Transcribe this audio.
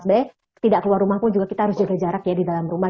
sebaiknya tidak keluar rumah pun kita juga harus menjaga jarak ya di dalam rumah